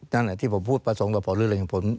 นั่นแหละที่ผมพูดประสงค์กับผลหรืออะไรเห็นผล